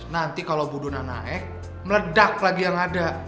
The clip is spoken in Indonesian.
nanti kalau bu dona naik meledak lagi yang ada